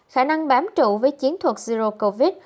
khả năng bám trụ với chiến thuật zero covid